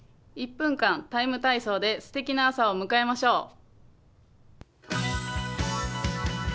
１分間「ＴＩＭＥ，体操」ですてきな朝を迎えましょう。